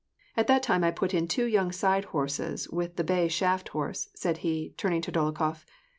" At that time I put in two young side horses with the bay shaft horse," he said, turning to Dol okhof.